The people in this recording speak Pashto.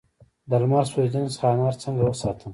د لمر سوځیدنې څخه انار څنګه وساتم؟